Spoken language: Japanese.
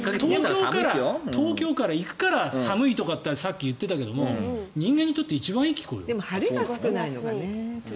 東京から行くから寒いとかってさっき言ってたけど人間にとってでも晴れが少ないのがね。